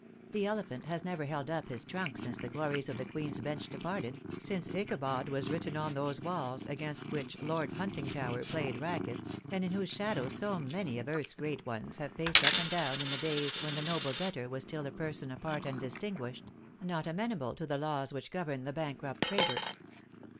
The Elephant has never held up his trunk since the glories of the Queen's Bench departed, since Ichabod was written on those walls against which Lord Huntingtower played rackets, and in whose shadow so many of Earth's great ones have paced up and down in the days when the noble debtor was still a person apart and distinguished, not amenable to the laws which govern the bankrupt trader.